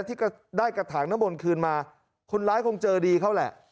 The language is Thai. ที่ก็ได้กระถางน้ำมนต์คืนมาคนร้ายคงเจอดีเข้าแหละ